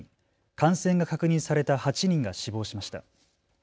感染が確認された８人が死亡しました。